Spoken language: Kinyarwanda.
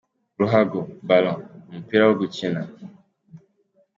Ruhago : “Ballon” : Umupira wo gukina.